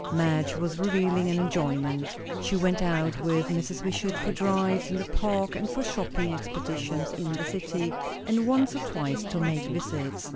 Madge was revelling in enjoyment. She went out with Mrs. Wishart, for drives in the Park and for shopping expeditions in the city, and once or twice to make visits.